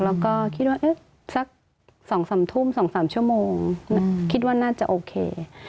แล้วก็คิดว่าสัก๒๓ทุ่ม๒๓ชั่วโมงคิดว่าน่าจะโอเค